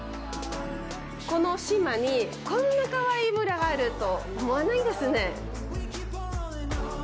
この島に、こんなかわいい村があると思わないですね。